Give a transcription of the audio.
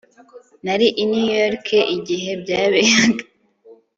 Nari i New York igihe byaberaga